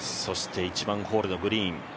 そして、１番ホールのグリーン。